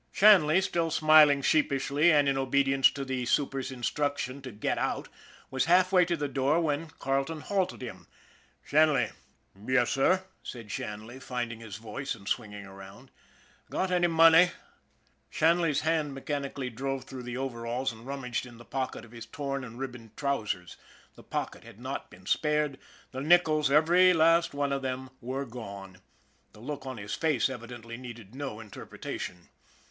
Shanley, still smiling sheepishly and in obedience to the super's instruction to " get out," was halfway to the door when Carleton halted him. "Shanley!" "Yes, sir?" said Shanley, finding his voice and swinging around. " Got any money? " Shanley's hand mechanically dove through the over alls and rummaged in the pocket of his torn and rib boned trousers the pocket had not been spared the nickels, every last one of them, were gone. The look on his face evidently needed no interpretation.